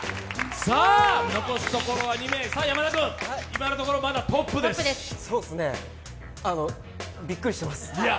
残すところは２名山田君、今のところまだトップですそうっすね、びっくりしてます。